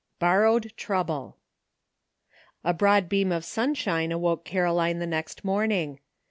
BORROWED TROUBLE, ABROAD beam of sunshine awoke Caro line the next morning.